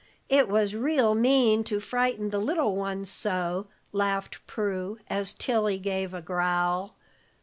It was real mean to frighten the little ones so," laughed Prue, as Tilly gave a growl.